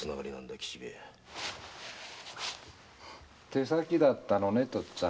手先だったのねとっつぁん。